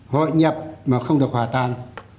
hội nhập mà không được hòa tan